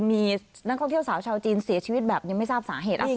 มีนักท่องเที่ยวสาวชาวจีนเสียชีวิตแบบยังไม่ทราบสาเหตุ